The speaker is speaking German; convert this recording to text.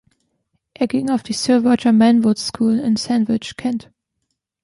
Er ging auf die Sir Roger Manwood‘s School in Sandwich, Kent.